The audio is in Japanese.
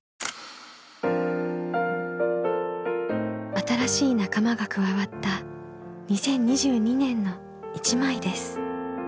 新しい仲間が加わった２０２２年の一枚です。